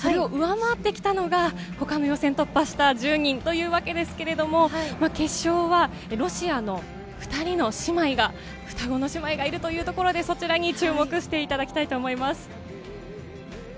良さを見せた中でもそれを上回ってきたのが他の予選突破した１０人というわけですけれど、決勝はロシアの２人の双子の姉妹がいるというところでそちらに注目していただきたいと思います。